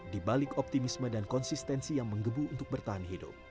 di balik optimisme dan konsistensi yang menggebu untuk bertahan hidup